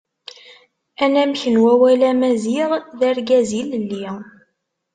Anamek n wawal Amaziɣ d Argaz ilelli.